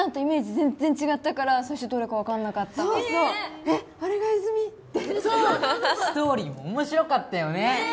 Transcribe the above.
全然違ったから最初どれか分かんなかったそうそうえっあれが泉？ってストーリーも面白かったよねねえ！